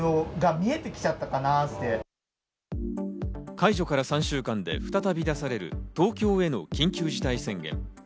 解除から３週間で再び出される東京への緊急事態宣言。